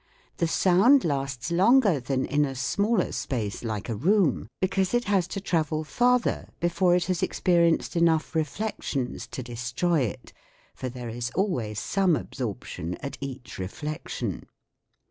The sound lasts longer than in a smaller space like a room, because it has to travel farther before it has experienced enough reflections to destroy it ; for there is always some absorption at each reflection.